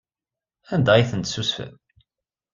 Anda ay ten-tessusfem?